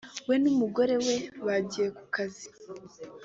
we n’umugore we bagiye ku kazi